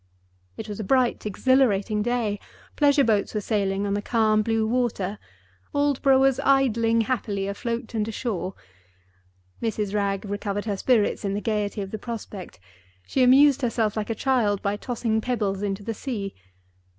It was a bright, exhilarating day; pleasure boats were sailing on the calm blue water; Aldborough was idling happily afloat and ashore. Mrs. Wragge recovered her spirits in the gayety of the prospect—she amused herself like a child, by tossing pebbles into the sea.